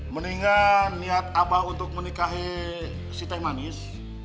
mendingan niat abah untuk menikahi si teh manis